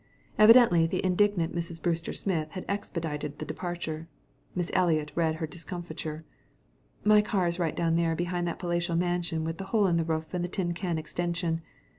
Evidently the indignant Mrs. Brewster Smith had expedited the departure. Miss Eliot read her discomfiture. "My car is right down here behind that palatial mansion with the hole in the roof and the tin can extension.